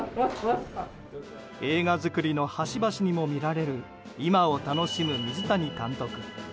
映画作りの端々にも見られる今を楽しむ水谷監督。